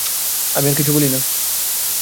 আমি আর কিছু বলি না।